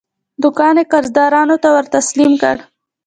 دوکان یې قرضدارانو ته ورتسلیم کړ.